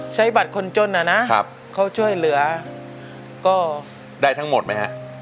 ใช้บัตรคนจนอะนะเขาช่วยเหลือก็ได้ทั้งหมดไหมฮะ